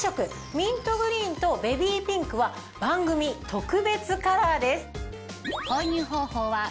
ミントグリーンとベビーピンクは番組特別カラーです。